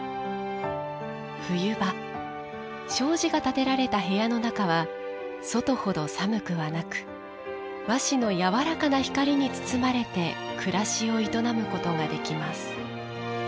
冬場、障子が立てられた部屋の中は、外ほど寒くはなく和紙の柔らかな光に包まれて暮らしを営むことができます。